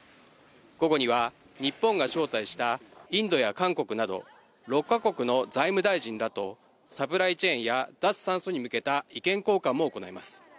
午後には日本が招待したインドや韓国など６カ国の財務大臣らとサプライチェーンや脱炭素に向けた意見交換も行います。